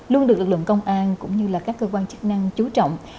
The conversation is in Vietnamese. luôn được lực lượng công an cũng như là các cơ quan chức năng chú trọng